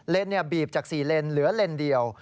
เลนส์บีบจาก๔เลนส์เหลือเลนส์เดียว